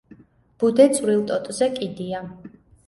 ბუდე წვრილ ტოტზე კიდია.